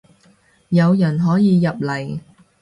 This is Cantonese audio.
有人可以入嚟